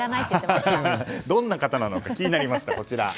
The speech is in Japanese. どんな方なのか気になりました。